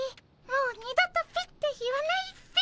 もう二度と「ピッ」て言わないっピ。